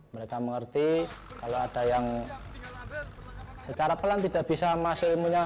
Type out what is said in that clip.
mereka mengerti kalau ada yang secara pelan tidak bisa masuk ilmunya